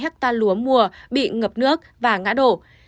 mưa lũ bị ngập nước và ngã đổ